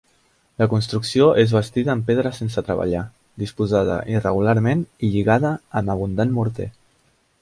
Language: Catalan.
La construcció és bastida en pedra sense treballar, disposada irregularment i lligada amb abundant morter.